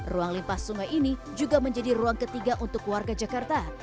ruang limpah sungai ini juga menjadi ruang ketiga untuk warga jakarta